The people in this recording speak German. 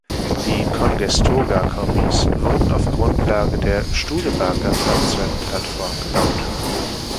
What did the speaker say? Die Congestoga-Kombis wurden auf Grundlage der Studebaker-Fahrzeugplattform gebaut.